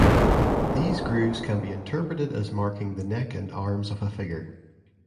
These grooves can be interpreted as marking the neck and arms of a figure.